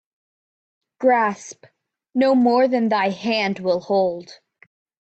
Grasp no more than thy hand will hold